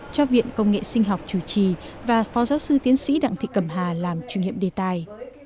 cho viện công nghệ sinh học chủ trì và phó giáo sư tiến sĩ đặng thị cẩm hà làm chuyên hiệm đề tài